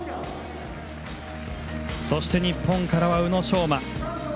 そして、日本からは宇野昌磨。